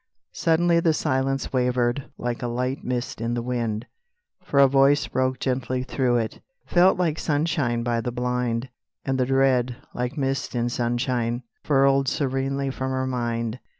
Suddenly the silence wavered Like a light mist in the wind, For a voice broke gently through it, Felt like sunshine by the blind, And the dread, like mist in sunshine, Furled serenely from her mind.